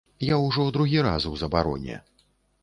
Я ўжо другі раз у забароне.